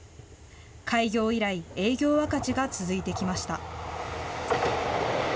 開業以来、営業赤字が続いてきました。